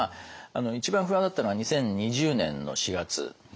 一番不安だったのが２０２０年の４月ですね。